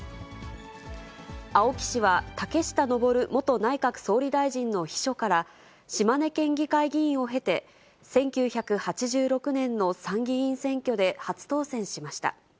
青木氏は、竹下登元内閣総理大臣の秘書から、島根県議会議員を経て、１９８６年の参議院選挙で初当選しました。